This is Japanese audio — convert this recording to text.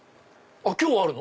今日あるの？